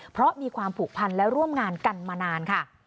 เพราะมีความผูกพันและร่วมงานกันมานานค่ะ